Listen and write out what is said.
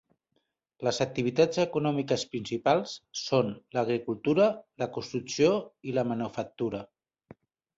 Les activitats econòmiques principals són l'agricultura, la construcció i la manufactura.